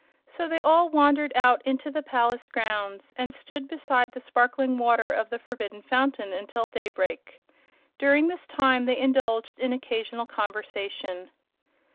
So they all wandered out into the palace grounds and stood beside the sparkling water of the Forbidden Fountain until daybreak. During this time they indulged in occasional conversation.